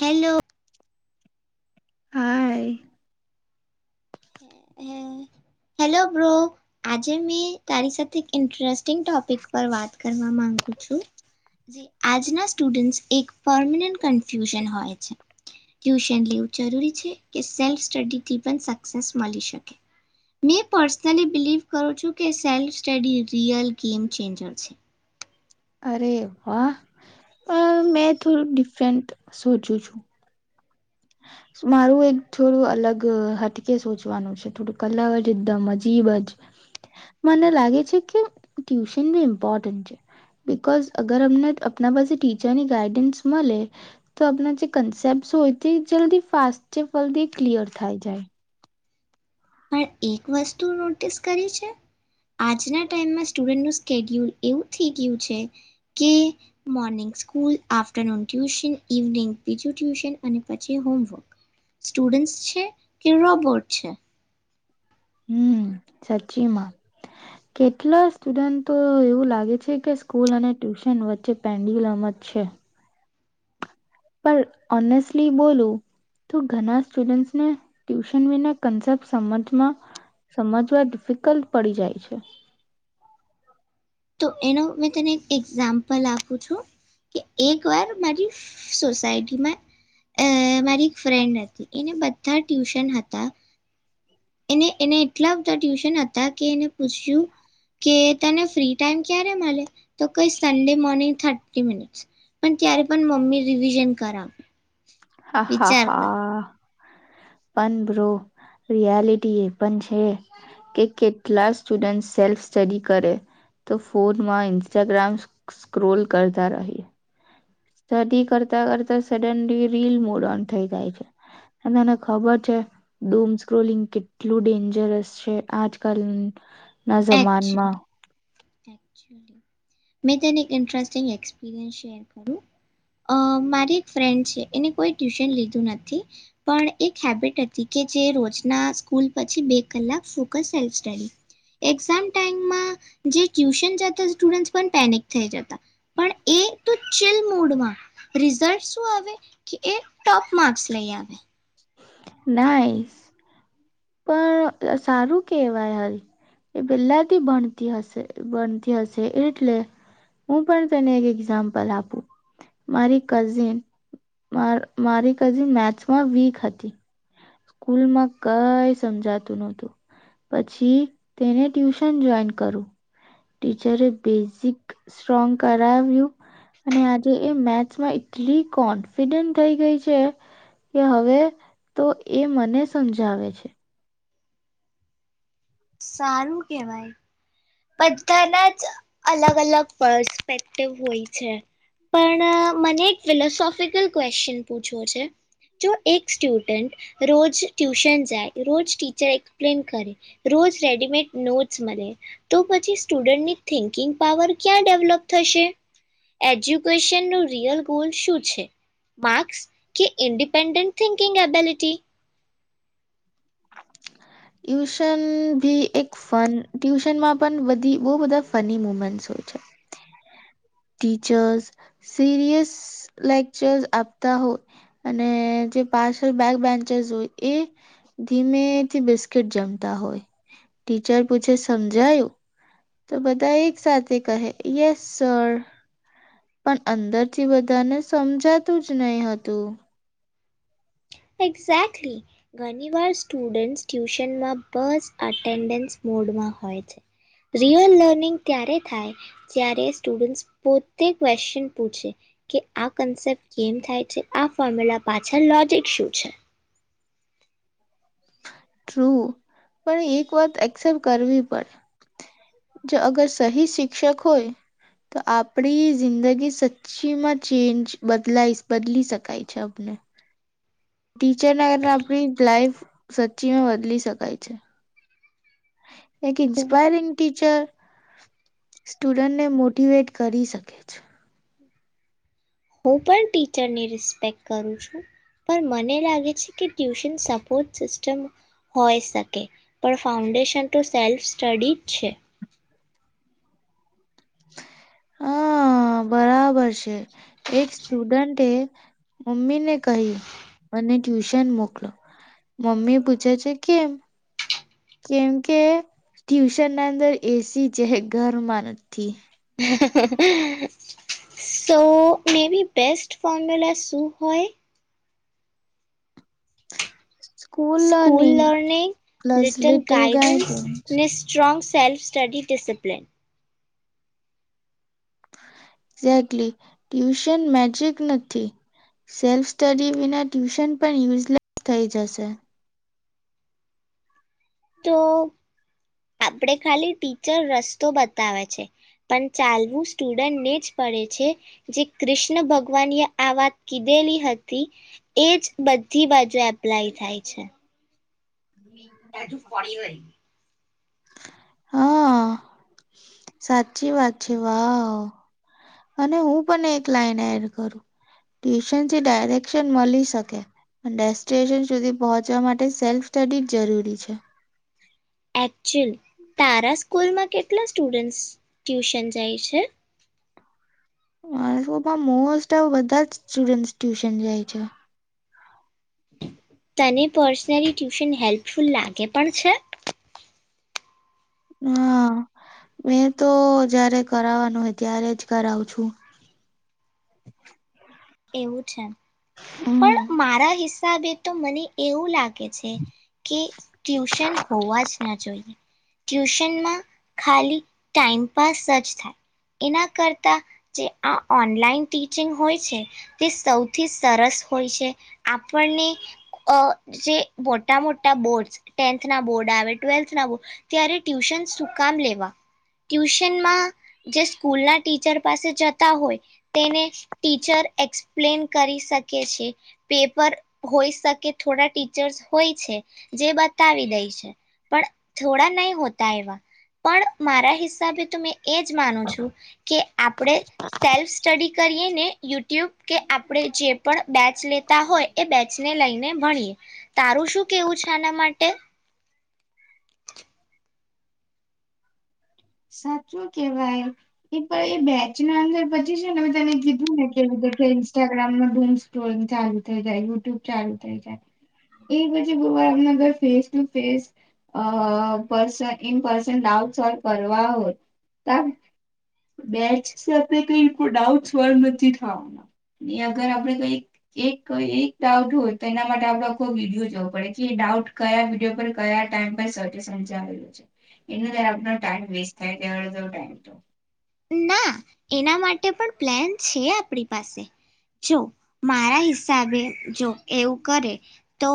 Hello હા હ hello bro આજે મેં તારી સાથે ઇન્ટરેસ્ટિંગ ટોપિક પર વાત કરવા માંગુ છું જે આજના સ્ટુડન્ટસ એક પરમનન્ટ કન્ફ્યુઝન હોય છે ટ્યુશન લેવું જરૂરી છે કે સેલ્ફ સ્ટડીથી પણ મે પર્સનલી બિલીવ કરું છું કે self study real game changer છે અરે વાહ મેં થોડું ડિફરન્ટ સોજું છું મારું એક થોડું અલગ હટકે સોચવાનું છે થોડું અલગ જ એકદમ અજીબ જ મને લાગે છે કે ટ્યુશન બી ઇમ્પોર્ટન્ટ છે બિકઝ અગર અમને આપના પાસે ટીચરની ગાઈડન્સ મળે તો આપણા જે કન્સેપ્ટ હોય જે જલ્દી ફાસ્ટ છે ફલ્દી ક્લિયર થાય જાય પણ એક વસ્તુ નોટિસ કરી છે આજના ટાઈમમાં સ્ટુડન્ટનું સ્કેડ્યુલ એવું થઈ ગયું છે કે morning school afternoon tuition evening બીજું ટ્યુશન અને પછી હોમવર્ક સ્ટુડન્ટસ છે કે રોબોટ છે હમ સાચી માં કેટલા સ્ટુડન્ટ તો એવું લાગે છે કે સ્કૂલ અને ટ્યુશન વચ્ચે પેન્ડિલમત છે પણ ઓનેસ્ટલી બોલું તો ઘણા સ્ટુડન્ટસને ટ્યુશન વિના કન્સેપ્ટ સમજમાં સમજવા ડિફિકલ્ટ પડી જાય છે તો એનો મેં તને એક એક્ઝામ્પલ આપું છું કે એક વાર મારી સોસાયટીમાં મારી એક ફ્રેન્ડ હતી એને બધા ટ્યુશન હતા એને એને એટલા બધા ટ્યુશન હતા કે એને પૂછ્યું કે તને ફ્રી ટાઈમ ક્યારે મળે તો કઈ સન્ડે મોર્નિંગ થર્ટી મિનિટસ પણ ત્યારે પણ મમ્મી રિવિઝન કરાવે હા હા હા. પણ બ્રો રિયાલિટી એ પણ છે, કે કેટલા સ્ટુડન્ટ સેલ્ફ સ્ટડી કરે, તો ફોનમાં ઇન્સ્ટાગ્રામ સ્ક્રોલ કરતા રહે. સ્ટડી કરતા કરતા સડનલી રીલ મોડ ઓન થઈ જાય છે, અને તને ખબર છે, ડૂમ સ્ક્રોલિંગ કેટલું ડેન્જરસ છે આજકાલ. ના જમાનમાં. [unintelligible] મેને સ્ટપ્યું મારી એક ફ્રેન્ડ છે એ કોઈ ટ્યુશન લીધું નથી, પણ એક હેબિટ હતી કે જે રોજના પછ જે ટ્યુશન જતા સ્ટુડન્ટ પણ પેનિક થઈ જતા. હ [inaudible] લડમાં રિઝલ્ટ શું આવે, કે એ ટોપ માર્સ લઈ આવે. નાઇસ, પણ સારું કેવાય હ, એ પેલાથી ભણતી હશે ભણતી હશે એટલે, હું પણ તેને એક એક્ઝામ્પલ આપું, મારી કઝિન મારી કઝિન મેથમાં વીક હતી. સ્કૂલમાં કઈ સમજાતું નહોતું, પછી તેને ટ્યુશન જોઈન કરું. ટીચરે બેઝિક સ્ટ્રોંગ કરાવ્યું, અને આજે એ મેથ્સમાં એટલી કોન્ફિડન્ટ થઈ ગઈ છે, કે હવે તો એ મને સમજાવે છે. સારું કેવાય. બધાના જ અલગ અલગ પસ્પેક્ટિવ હોય છે, પણ મને એક ફિલોસોફિકલ ક્વેશન પૂછવો છે, જો એક સ્ટુડન્ટ રોજ ટ્યુશન જાય રોજ ટીચર એક્સપ્લેન કરે રોજ રેડીમેડ નોટ્સ મળે. તો પછી સ્ટુડન્ટની થિન્કિંગ પાવર ક્યાં ડેવલપ થશે, એજ્યુકેશનનું રિયલ ગોલ શું છે, માર્સ કે ઇન્ડિપેન્ડન્ટ થિકિંગ એબિલિટી? ટ્યુશન ભી એક ફન ટ્યુશનમાં પણ બધી બહ બધા ફની મુમેન્ટ હોય છે. ટીચર્સ, સિરિયસ લેક્ચર્સ આપતા હોય, અને જે પારસલ બેક બેન્ચર્સ હોય એ, ધીમેથી બિસ્કીિટ જમતા હોય, ટીચર પૂછે સમજાયું, તો બધા એક સાથે કહે યસ સર. પણ અંદરથી બધાને સમજાતું જ નહી હતું. એક્ઝેક્ટલી, ઘણી વાર સ્ટુડન્ટ્સ ટ્યુશનમાં બસ અટેન્ડન્સ મોડમાં હોય છે, રિયલ લર્નિંગ ત્યારે થાય, જ્યારે સ્ટુડન્ટ્સ પોતે ક્વેશ્ચન પૂછે, કે આ કન્સેપ્ટ કેમ થાય છે આ ફોર્મ્યુલા પાછળ લોજિક શું છે? ટ્રુ, પણ એક વાત એક્સેપ્ટ કરવી પડે, જો અગર સહી શિક્ષક હોય, તો આપડી જિંદગી સચી માં ચેન્જ બદલાઈ બદલી શકાય છે આપને. ટીચરના કારણે આપણી લાાઈફ સચીમાં બદલી શકાય છે. એક ઇન્સ્પાયરિંગ ટીચર સ્ટુડન્ટને મોટિવેટ કરી શકે છે. હું પણ ટીચરની રિસ્પેક્ટ કરું છું, પણ મને લાગે છે કે ટ્યુશન સપોર્ટ સિસ્ટમ હોય શકે, પણ ફાઉન્ડેશન તો સેલ્ફ સ્ટડી જ છે. હા બરાબર છે, એક સ્ટુડન્ટે મમ્મીને કહ્યું અને ટ્યુશન મોકલો, મમ્મી પૂછે છે કેમ? કેમ કે ટ્યુશન ના અંદર એ સી છે ઘરમાં નથી. સો મે બી બેસ્ટ ફોર્મ્યુલા શું હોય? હ [inaudible] સ્કૂલ લર્નિંગ, લિટલ ગાઈડન્સ ને strong self study discipline. Exactly, tuition magic નથી, સેલ્ફ સ્ટડી વિના ટ્યુશન પણ યુઝલેસ થઈ જશે. તો આપણેે ખાલી ટીચર રસ્તો બતાવે છે, પણ ચાલવું સ્ટુડન્ટને જ પડે છે, જે કૃષ્ણ ભગવાને આ વાત કીધેલી હતી એ જ બધી બાજુ એપ્લાય થાય છે. [unintelligible] હા સાચી વાત છે વાવ અને હું પણ એક લાઈન એડ કરું ટ્યુશનથી ડાયરેકશન મળી શકે ડેસ્ટિનેશન સુધી પહોંચવા માટે સેલ્ફ સ્ટડી જરૂરી છે એકચુલ તારા સ્કૂલમાં કેટલા સ્ટુડન્ટસ ટ્યુશન જાય છે? મારે તોપા મોસ્ટ ઓફ બધા જ સ્ટુડન્ટ ટ્યુશન જાય છે. તને પર્સનલી ટ્યુશન હેલ્પફુલ લાગે પણ છે? હા મેં તો જયારે કરવાનું હોય ત્યારે જ કરાવ છું. એવું છે પણ હમ્મ. મારા હિસા હસાબે તો મને એવું લાગે કે ટ્યુશન હોવા જ ના જોઈએ ટ્યુશનમાં ખાલી ટાઈમપાસ જ થાય એના કરતા જે આ ઓનલાઈન ટીચિંગ હોય છે તે સૌથી સરસ હોય છે આપણને જે મોટા મોટા બોર્ડસ ટેન્થના બોર્ડ આવે ટ્વેલ્થના બોર્ડ ત્યારે ટ્યુશન સુકામ લેવા ટ્યુશનમાં જે સ્કૂલના ટીચર પાસે જતા હોય તેને ટીચર એક્સપ્લેન કરી શકે છે પેપર હોઈ શકે થોડા ટીચર્સ હોય છે જે બતાવી દે છે પણ થોડા નહીં હોતા એવા પણ મારા હિસાબે તો મેં એ જ માનું છું કે આપણે સેલ્ફ સ્ટડી કરીએ ને યુટ ટ્યુબ કે આપણે જે પણ બેચ લેતા હોય એ બેચને લઈને ભણીએ તારું શું કેવું છે આના માટે. સાચું કેવાય એ પણ એ બેચ ના અંદર પછી છે ને મે તને કીધું ને કે ઇન્સ્ટાગ્રામ ન ડૂમ સ્ટોરી ચાલુ થઈ જાય યુટ્યુબ ચાલુ થઇ જાય એ પછી બબરમને ફેસ ટુ ફેસ પર્ન ઇન પર્સન ડાઉટ સોલ કરવા હોય તો બેચ સાથે કઈ ડાઉટ સોલ્વ નથી થવાના એ અગર આપડે કઈ એક ડાઉટ હોય તો એના માટે આપડે આખો વિડીયો જોવો પડે કે ડાઉટ કયા વિડીયો પર કયા ટાઈમ પર સજેશન આવેલું છે ટાઈમ વેસ્ટ થાય [unintelligible] ટાઈમ તો ના એના પણ પ્લેન છે આપણી પાસે જો મારા હિસાબે જો એવું કરે તો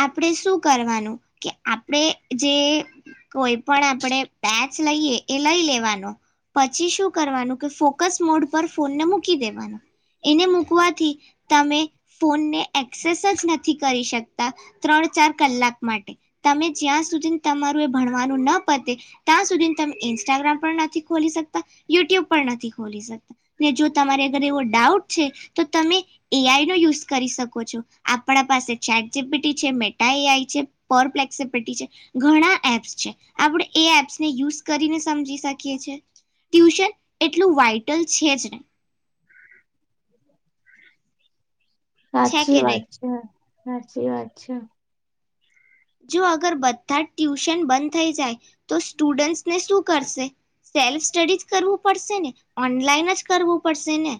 આપણે શું કરવાનું કે આપણે જે કોઈ પણ આપણે પેચ લઈએ એ લઈ લેવાનો પછી શું કરવાનું કે ફોકસ મોડ પર ફોનને મૂકી દેવાનું એને મૂકવાથી તમે ફોનને એક્સેસ જ નથી કરી શકતા ત્રણ ચાર કલાક માટે તમે જ્યાં સુધી તમારું એ ભણવાનું ન પતે ત્યાં સુધી તમે ઇન્સ્ટાગ્રામ પણ નથી ખો યુટ્યુબ પણ નથી ખોલી શકતા ને જો તમારે અગર એવો ડાઉટ છે તો તમે એઆઈનો યુઝ કરી શકો છો આપણા પાસે ચેટબિટી છે, મેટા એઆઈ છે પોફ્લેક્સબલટી છે ઘણા એપ્સ છે આપણે એપ્ને યુઝ કરીને સમજી શકીએ છે. ટ્યુશન એટલું વાઇટલ છે જ નહીં. [inaudible] છે સાચી કે વાત નહીં છે. સાચી એ વાત છે. જો અગર બધા જ ટ્યુશન બંધ થઈ જાય તો સ્ટુડન્ટસને શું કરશે? સેલ્ફ સ્ટડીજ કરવું પડશેને? ઓનલાઈન જ કરવું પડશે ને?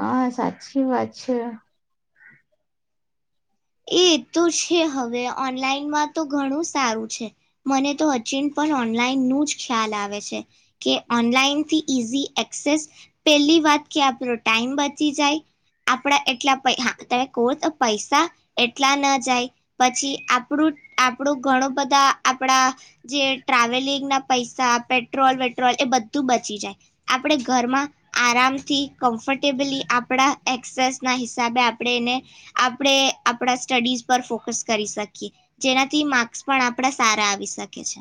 હા સાચી વાત છે. એ તો છે હવે, ઓનલાઈનમાં તો ઘણું સારું છે. મને તો અચિન પણ ઓનલાઈન નું જ ખ્યાલ આવે છે કે ઓનલાઈનથી ઈઝી એક્સેસ પેલી વાત કે આપણો ટાઈમ બચી જાય આપણા એટલા તમે કહો તો પૈસા એટલા ન જાય પછી આપણું આપણું ઘણું બધા આપણા જે ટ્રાવેલિંગના પૈસા પેટ્રોલ વેટ્રોલ એ બધું બચી જાય આપણે ઘરમાં આરામથી કમ્ફટેબલી આપણા એક્સેસના હિસાબે આપણે એને આપણે આપણા સ્ટડીઝ પર ફોકસ કરી શકીએ જેનાથી માર્ક્સ પણ આપણા સારા આવી શકે છે.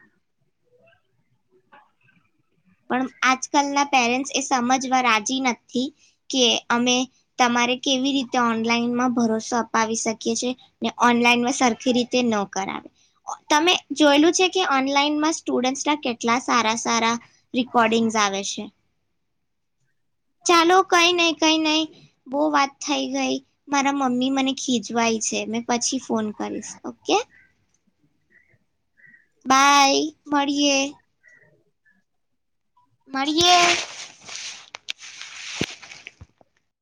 [inaudible] પણ આજકાલના પેરેન્ટ્સ એ સમજવા રાજી નથી કે અમે તમારે કેવી રીતે ઓનલાઈનમાં ભરોસો અપાવી શકીએ છેએ ને ઓનલાઈનમાં સરખી રીતે ન કરાવે તમે જોયેલું છે કે ઓનલાઈનમાં સ્ટુડન્ટના કેટલા સારા સારા રકોર્ડિંગ્સ આવે છે. ચાલો કઈ નઈ કઈ નઈ બહુ વાત થઈ ગઈ મારા મમ્મી મને ખીજવાય છે મે પછી ફોન કરીશ ઓકે. બાય મળીએ. મળીએ.